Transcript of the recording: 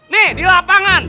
nih di lapangan